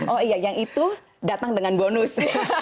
oh iya yang itu datang dengan bonus